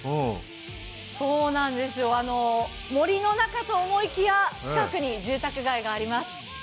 そうなんです、森の中と思いきや、近くに住宅街があります